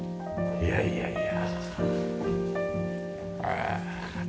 いやいやいや。